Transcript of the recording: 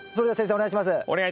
お願い致します。